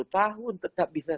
delapan puluh tahun tetap bisa